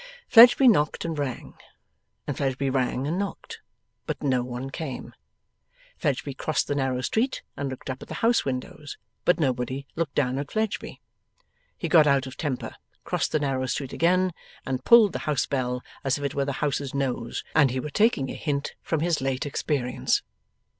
Fledgeby knocked and rang, and Fledgeby rang and knocked, but no one came. Fledgeby crossed the narrow street and looked up at the house windows, but nobody looked down at Fledgeby. He got out of temper, crossed the narrow street again, and pulled the housebell as if it were the house's nose, and he were taking a hint from his late experience.